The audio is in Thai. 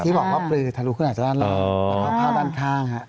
ที่บอกว่าทะลูเครื่องอาจจะด้านล่าง